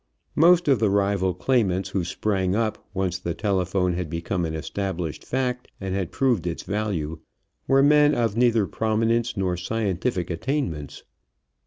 Most of the rival claimants who sprang up, once the telephone had become an established fact and had proved its value, were men of neither prominence nor scientific attainments.